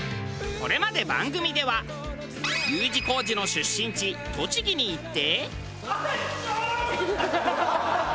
これまで番組ではＵ字工事の出身地栃木に行って。